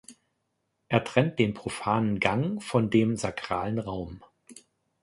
Er trennt den profanen Gang von dem sakralen Raum.